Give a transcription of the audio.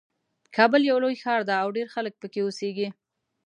کابل یو لوی ښار ده او ډېر خلک پکې اوسیږي